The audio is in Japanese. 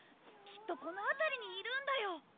きっとこの辺りにいるんだよ！